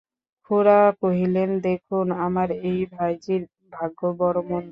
খুড়া কহিলেন, দেখুন, আমার এই ভাইঝির ভাগ্য বড়ো মন্দ।